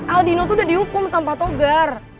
aldino tuh udah dihukum sama togar